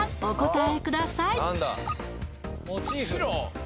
お答えください